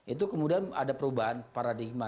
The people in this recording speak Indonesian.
itu kemudian ada perubahan paradigma